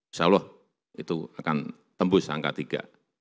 insyaallah itu akan tembus angka tiga